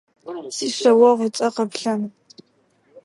Сишъэогъу ыцӏэр Къэплъан.